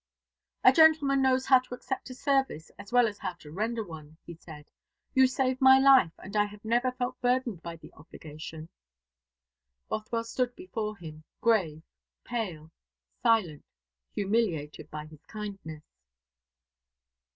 "A gentleman knows how to accept a service as well as how to render one," he said. "You saved my life, and I have never felt burdened by the obligation." Bothwell stood before him, grave, pale, silent, humiliated by his kindness.